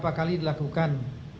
berapa kali dilakukan